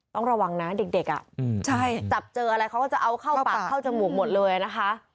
ต้องระวังนะเด็กจับเจออะไรเขาก็จะเอาเข้าปากเข้าจมูกหมดเลยนะคะ